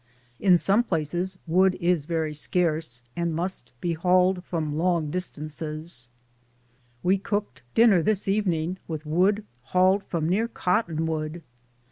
In some places wood is very scarce and must be hauled long distances; we cooked dinner this evening with wood hauled from near Cottonwood.